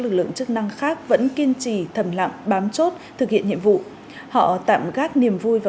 lực lượng chức năng khác vẫn kiên trì thầm lặng bám chốt thực hiện nhiệm vụ họ tạm gác niềm vui vào